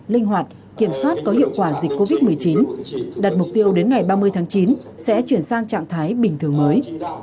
linh hoạt kiểm soát có hiệu quả dịch covid một mươi chín đặt mục tiêu đến ngày ba mươi tháng chín sẽ chuyển sang trạng thái bình thường mới